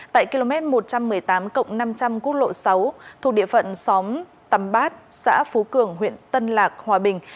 tại km một trăm một mươi tám năm trăm linh quốc lộ sáu thuộc địa phận xóm tầm bát xã phú cường huyện tân lạc hòa bình